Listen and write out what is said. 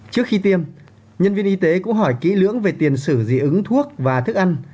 trước khi tiêm nhân viên y tế cũng hỏi kỹ lưỡng về tiền sử dị ứng thuốc và thức ăn